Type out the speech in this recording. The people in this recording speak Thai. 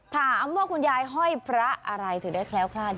ถามว่าคุณยายห้อยพระอะไรถือได้แท้วคลาด